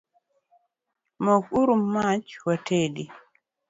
Mok uru mach watedi